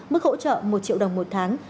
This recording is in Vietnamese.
mức hỗ trợ một triệu đồng một tháng